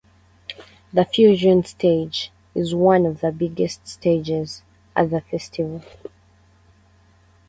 The Fusion Stage is one of the biggest stages at the festival.